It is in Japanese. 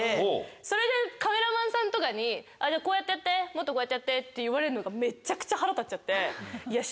それでカメラマンさんとかにこうやってやってもっとこうやってやってって言われるのがめっちゃくちゃ腹立っちゃって。